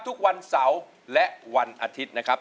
ทุกวันเสาร์และวันอาทิตย์นะครับ